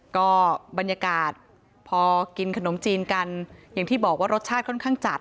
ก็บรรยากาศพอกินขนมจีนกันอย่างที่บอกว่ารสชาติค่อนข้างจัด